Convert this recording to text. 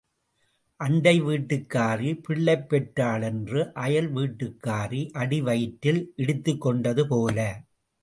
அண்டை வீட்டுக்காரி பிள்ளை பெற்றாளென்று அயல் வீட்டுக்காரி அடி வயிற்றில் இடித்துக் கொண்டது போல.